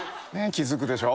気付くでしょ？